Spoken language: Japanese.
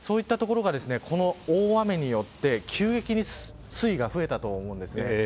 そういった所がこの大雨によって急激に水位が増えたと思うんです。